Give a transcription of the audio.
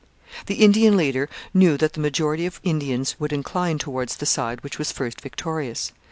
The Indian leader knew that the majority of Indians would incline towards the side which was first victorious.